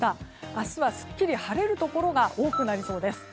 明日はすっきり晴れるところが多くなりそうです。